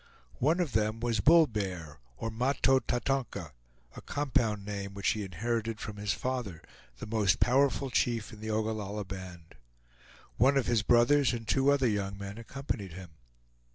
One of them was Bull Bear, or Mahto Tatonka, a compound name which he inherited from his father, the most powerful chief in the Ogallalla band. One of his brothers and two other young men accompanied him.